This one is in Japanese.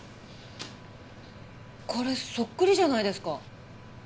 これそっくりじゃないですか。